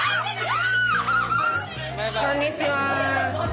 こんにちは。